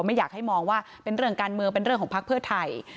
ไม่อยากให้มองว่าเป็นเรื่องการเมืองเป็นเรื่องของภักดิ์เพื่อไทย